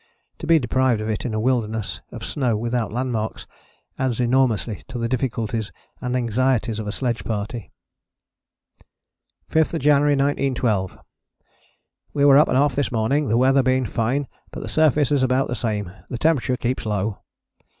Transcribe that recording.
To be deprived of it in a wilderness of snow without landmarks adds enormously to the difficulties and anxieties of a sledge party.] 5th January 1912. We were up and off this morning, the weather being fine but the surface is about the same, the temperature keeps low.